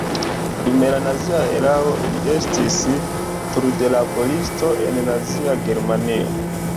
Dum la nazia erao li estis trudlaboristo en Nazia Germanio.